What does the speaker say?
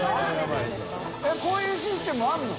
┐こういうシステムあるの？